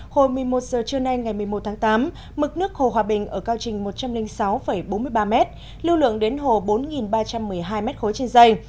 hồi một mươi một giờ trưa nay ngày một mươi một tháng tám mực nước hồ hòa bình ở cao trình một trăm linh sáu bốn mươi ba m lưu lượng đến hồ bốn ba trăm một mươi hai m ba trên dây